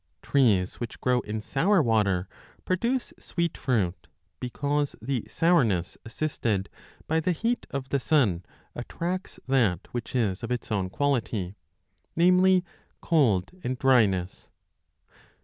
Trees which 40 grow in sour \vater produce sweet fruit, because the sourness 82g b assisted by the heat of the sun attracts that which is of its own quality, namely, cold and dryness.